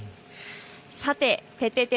さてててて！